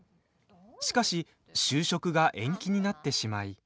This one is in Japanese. しかし就職が延期になってしまい。